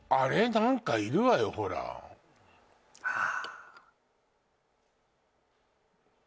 何かいるわよほらああ